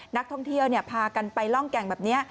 นักท่องเที่ยวพากันไปล่องแก่งแบบนี้